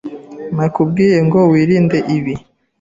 Nakubwiye ngo wirinde ibi.